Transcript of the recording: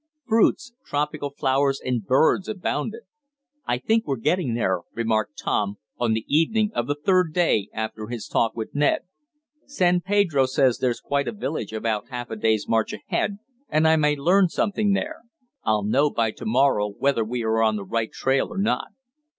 Fruits, tropical flowers and birds abounded. "I think we're getting there," remarked Tom, on the evening of the third day after his talk with Ned. "San Pedro says there's quite a village about half a day's march ahead, and I may learn something there. I'll know by to morrow whether we are on the right trail or not."